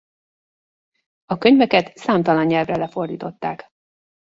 A könyveket számtalan nyelvre lefordították.